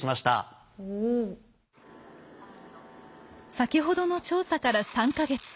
先ほどの調査から３か月。